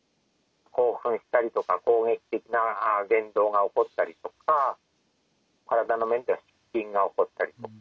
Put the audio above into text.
興奮したりとか攻撃的な言動が起こったりとか体の面では失禁が起こったりとか。